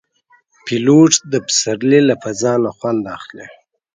پیلوټ د پسرلي له فضا نه خوند اخلي.